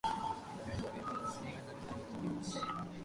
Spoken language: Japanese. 柿食えば鐘が鳴るなり法隆寺